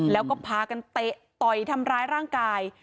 แล้วก็พากันเตะต่อยทำร้ายร่างกาย